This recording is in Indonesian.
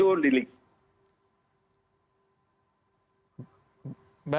itu di liga dua